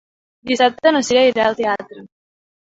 Dissabte na Sira irà al teatre.